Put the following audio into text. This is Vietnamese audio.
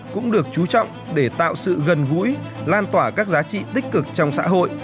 cũng được chú trọng để tạo sự gần gũi lan tỏa các giá trị tích cực trong xã hội